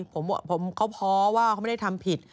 ผมเขาว่าเขาไม่ได้ทำผิด